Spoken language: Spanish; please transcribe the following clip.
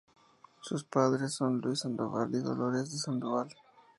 Sus padres son Luis Sandoval y Dolores de Sandoval.